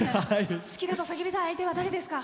好きだと叫びたい相手は誰ですか？